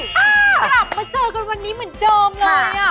กลับมาเจอกันวันนี้เหมือนเดิมเลย